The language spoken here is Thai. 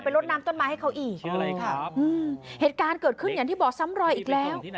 ลดน้ำต้นไม้ให้เขาอีกใช่ค่ะอืมเหตุการณ์เกิดขึ้นอย่างที่บอกซ้ำรอยอีกแล้ว